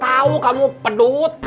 tau kamu pedut